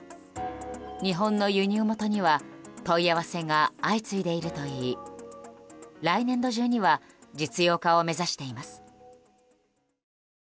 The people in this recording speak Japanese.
日本の輸入元には問い合わせが相次いでいるといい来年度中には実用化を目指しています。